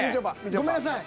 ごめんなさい。